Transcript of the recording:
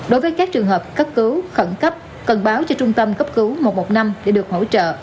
đối với các trường hợp cấp cứu khẩn cấp cần báo cho trung tâm cấp cứu một trăm một mươi năm để được hỗ trợ